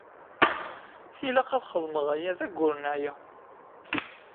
Tilaq ad xedmeɣ aya d ayyuren aya.